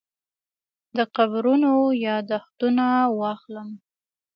د قبرونو یاداښتونه واخلم.